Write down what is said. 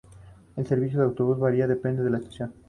El servicio de autobús varía y depende de estación.